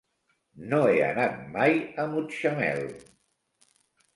No he anat mai a Mutxamel.